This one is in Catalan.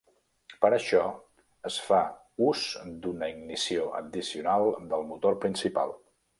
Per això es fa ús d'una ignició addicional del motor principal.